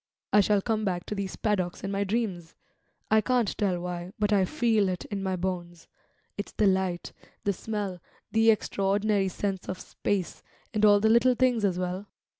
I shall come back to these paddocks in my dreams. I can't tell why, but I feel it in my bones; it's the light, the smell, the extraordinary sense of space, and all the little things as well.